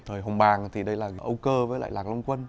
thời hồng bàng thì đây là âu cơ với lại làng long quân